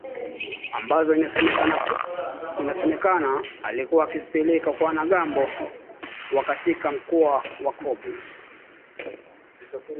ambazo inasemekana alikuwa akizipeleka kwa wanamgambo wa katika mkoa wa Kobu